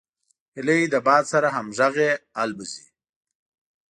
هیلۍ د باد سره همغږي الوزي